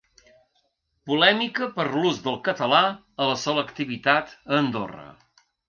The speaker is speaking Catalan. Polèmica per l’ús del català a la selectivitat a Andorra.